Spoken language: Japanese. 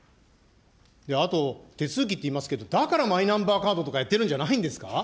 あと、手続きっていいますけど、だからマイナンバーカードとかやってるんじゃないんですか。